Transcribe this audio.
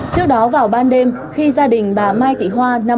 trước đó vào ban đêm khi gia đình bà mai thị hoa năm mươi sáu